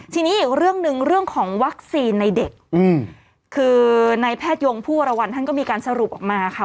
ทีนี้อีกเรื่องหนึ่งเรื่องของวัคซีนในเด็กคือในแพทยงผู้วรวรรณท่านก็มีการสรุปออกมาค่ะ